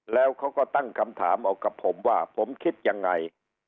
แล้วเขาก็ตั้งคำถามเอากับผมว่าผมคิดยังไง